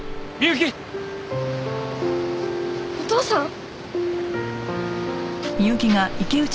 お父さん！